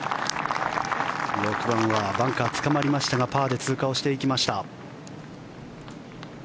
６番はバンカーでつかまりましたがパーで通過していきました。